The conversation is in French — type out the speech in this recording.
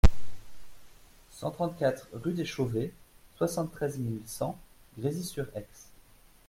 cent trente-quatre rue des Chauvets, soixante-treize mille cent Grésy-sur-Aix